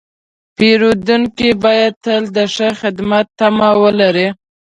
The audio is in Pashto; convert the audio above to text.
پیرودونکی باید تل د ښه خدمت تمه ولري.